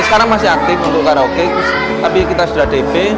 sekarang masih aktif untuk karaoke tapi kita sudah db